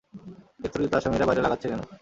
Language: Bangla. গ্রেফতারকৃত আসামীরা বাইরে লাগাচ্ছে কেন?